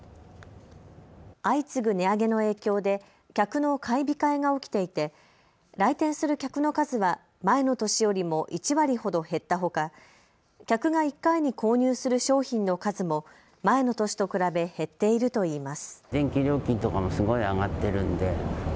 相次ぐ値上げの影響で客の買い控えが起きていて来店する客の数は前の年よりも１割ほど減ったほか客が１回に購入する商品の数も前の年と比べ減っているといいます。